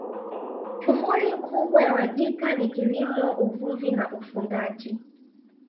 Shughuli kubwa ya Wajita ni kilimo uvuvi na ufugaji